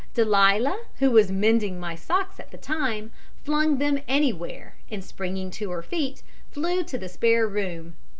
Delia, who was mending my socks at the time, flung them anywhere, and springing to her feet, flew to the spare room.